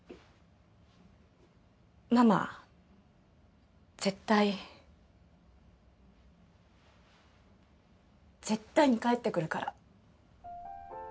ママ絶対絶対に帰ってくるから。